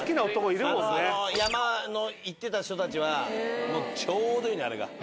山の行ってた人たちはちょうどいいのよあれが。